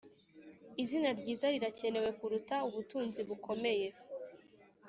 izina ryiza rirakenewe kuruta ubutunzi bukomeye;